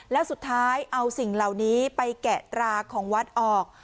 แล้วสุดท้ายเอาสิ่งเหล่านี้ไปแกะตราของวัดออก